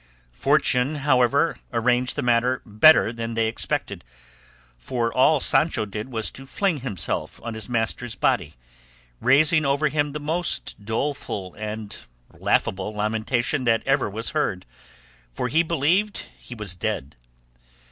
Fortune, however, arranged the matter better than they expected, for all Sancho did was to fling himself on his master's body, raising over him the most doleful and laughable lamentation that ever was heard, for he believed he was dead.